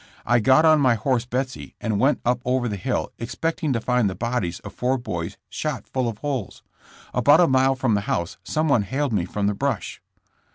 I got on my horse Betsy, and went up over the hill expecting to find the bodies of four boys shot full of holes. About a mile from the house some one hailed me from the brush.